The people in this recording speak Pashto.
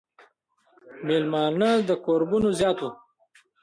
مېلمانۀ د کوربنو زيات وو ـ